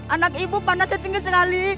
anak ibu panasnya tinggi sekali